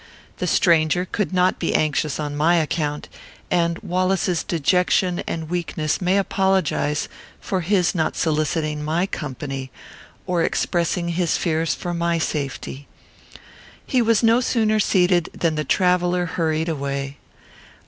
The stranger could not be anxious on my account; and Wallace's dejection and weakness may apologize for his not soliciting my company, or expressing his fears for my safety. He was no sooner seated, than the traveller hurried away.